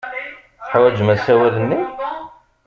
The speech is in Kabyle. Teḥwajem asawal-nni?